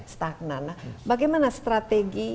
stagnan bagaimana strategi